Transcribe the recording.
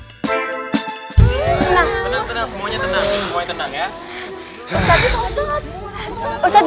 semuanya tenang ya